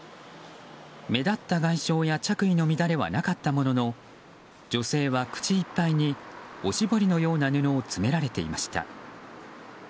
目立った外傷や着衣の乱れはなかったものの女性は口いっぱいにおしぼりのような布を詰められていました。